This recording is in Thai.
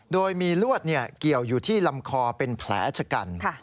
โดยมีลวดเกี่ยวอยู่ที่ลำคอเป็นแผลชะกัน